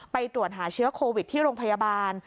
ไปตรวจหาเชื้อโควิดที่โรงพยาบาล